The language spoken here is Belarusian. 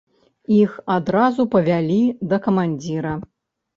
Іх адразу павялі да камандзіра.